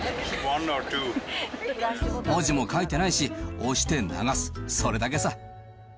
文字も書いてないし、押して流す、それだけさ。